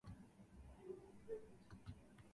石川県能美市